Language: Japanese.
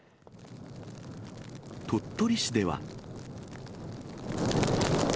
鳥取市では。